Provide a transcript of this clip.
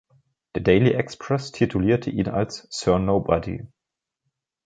Der „Daily Express“ titulierte ihn als „Sir Nobody“.